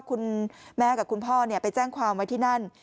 คุณแม่กับคุณพ่อไปแจ้งความไว้ที่นั่น